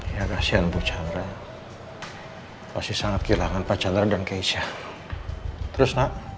ya kasihan bu chandra pasti sangat kehilangan pacar dan keisha terus